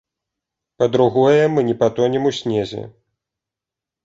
Па-другое, мы не патонем у снезе.